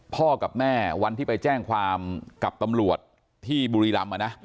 พ่อกับแม่วันที่ไปแจ้งความกับตำรวจที่บุรีรำ